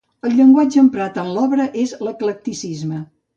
El llenguatge emprat en l'obra és l'eclecticisme.